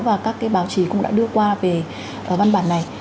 và các báo chí cũng đã đưa qua về văn bản này